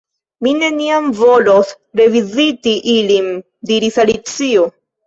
"Neniam mi volos reviziti ilin " diris Alicio.